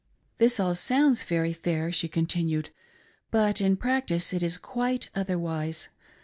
" This all sounds very fair," she continued, " but in prac tice it is quite otherwise.